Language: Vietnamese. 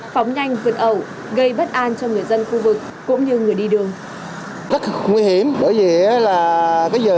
phóng nhanh vượt ẩu gây bất an cho người dân khu vực cũng như người đi đường